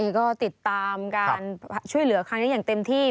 ก็ติดตามการช่วยเหลือครั้งนี้อย่างเต็มที่